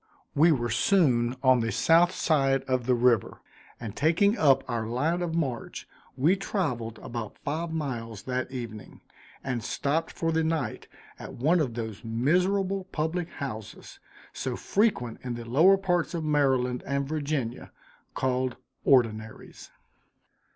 We were soon on the south side of the river, and taking up our line of march, we traveled about five miles that evening, and stopped for the night at one of those miserable public houses, so frequent in the lower parts of Maryland and Virginia, called "ordinaries."